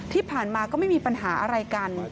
ที่ผ่านมาก็ไม่มีปัญหาอะไรกัน